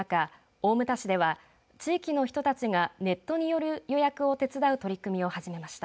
大牟田市では地域の人たちがネットによる予約を手伝う取り組みを始めました。